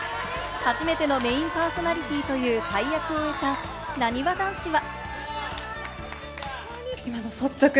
初めてのメインパーソナリティーという大役を終えた、なにわ男子は。